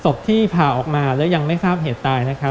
ศพที่ผ่าออกมาและยังไม่ทราบเหตุตาย